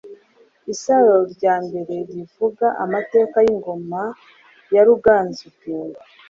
Isaro rya mbere rivuga amateka y’ingoma ya Ruganzu Bwimba.